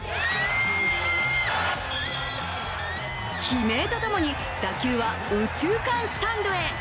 悲鳴とともに打球は右中間スタンドへ。